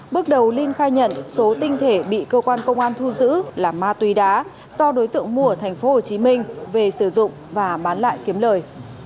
bước đầu linh khai nhận số tinh thể bị cơ quan công an thu giữ là ma túy đá do đối tượng mua ở tp hcm về sử dụng và bán lại kiếm lời